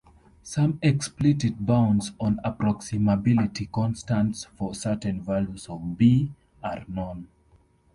Some explicit bounds on the approximability constants for certain values of "B" are known.